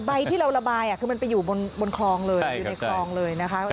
ที่เราระบายคือมันไปอยู่บนคลองเลยอยู่ในคลองเลยนะคะ